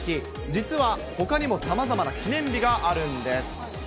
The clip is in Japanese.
実は、ほかにもさまざまな記念日があるんです。